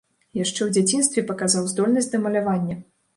Яшчэ ў дзяцінстве паказаў здольнасці да малявання.